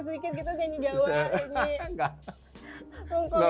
nyanyi sedikit sedikit gitu nyanyi jawa